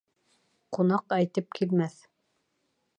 Ҡунаҡ әйтеп килмәҫ